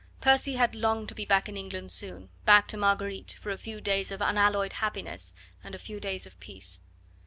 Percy had longed to be back in England soon, back to Marguerite, to a few days of unalloyed happiness and a few days of peace.